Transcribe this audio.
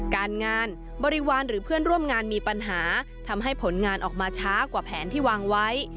การงานบริวารหรือเพื่อนร่วมงานมีปัญหาทำให้ผลงานออกมาช้ากว่าแผนที่วางไว้